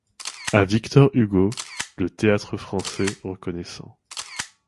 A Victor Hugo, le Théâtre-Français reconnaissant!